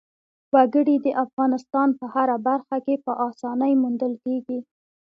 وګړي د افغانستان په هره برخه کې په اسانۍ موندل کېږي.